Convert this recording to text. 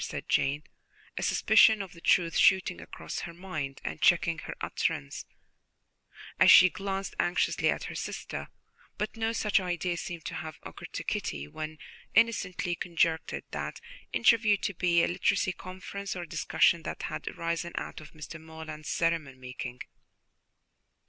said Jane, a suspicion of the truth shooting across her mind and checking her utterance, as she glanced anxiously at her sister; but no such idea seemed to have occurred to Kitty, who innocently conjectured their interview to be a literary conference, or a discussion that had arisen out of Mr. Morland's sermon making.